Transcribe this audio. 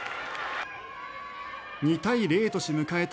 ２対０として迎えた